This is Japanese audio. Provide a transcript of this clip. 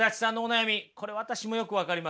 これ私もよく分かりますよ。